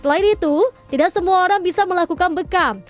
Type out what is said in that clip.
selain itu tidak semua orang bisa melakukan bekam